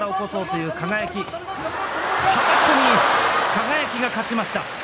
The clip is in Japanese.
輝が勝ちました。